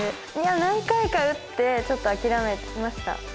何回か打ってちょっと諦めました。